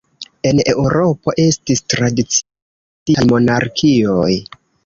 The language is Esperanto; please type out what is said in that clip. En Eŭropo estis tradicie multaj monarkioj.